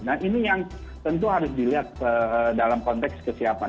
nah ini yang tentu harus dilihat dalam konteks kesiapan